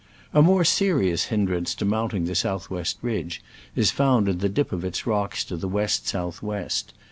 A more serious hindrance to mounting the south west ridge is found in the dip of its rocks to the west south west.